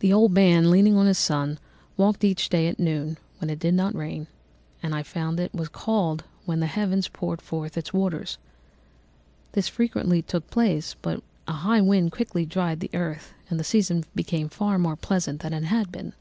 "The old man, leaning on his son, walked each day at noon, when it did not rain, as I found it was called when the heavens poured forth its waters. This frequently took place, but a high wind quickly dried the earth, and the season became far more pleasant than it had been.